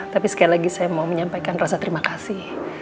tapi sekali lagi saya mau menyampaikan rasa terima kasih